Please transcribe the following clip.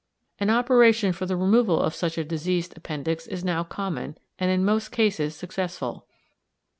An operation for the removal of such a diseased appendix is now common, and in most cases successful.